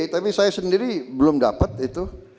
tapi saya sendiri belum dapat itu